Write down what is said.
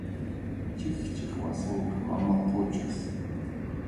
Chikchip wasinqa mama Quchas.